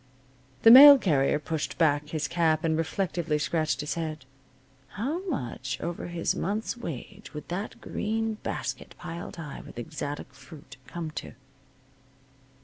The mail carrier pushed back his cap and reflectively scratched his head. How much over his month's wage would that green basket piled high with exotic fruit come to?